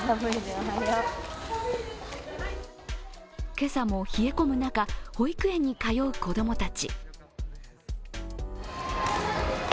今朝も冷え込む中、保育園に通う子供たち。